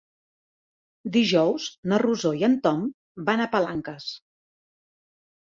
Dijous na Rosó i en Tom van a Palanques.